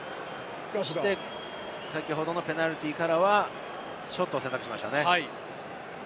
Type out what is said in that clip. そして先ほどのペナルティーからはショットを選択しましたね。